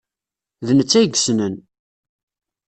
D netta ay yessnen.